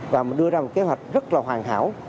và đưa ra một kế hoạch rất là khó khăn